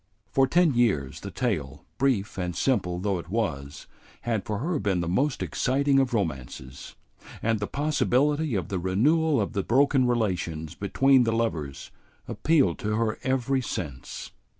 For ten years the tale, brief and simple though it was, had for her been the most exciting of romances, and the possibility of the renewal of the broken relations between the lovers appealed to her every sense.